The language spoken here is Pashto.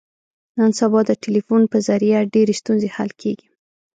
نن سبا د ټلیفون په ذریعه ډېرې ستونزې حل کېږي.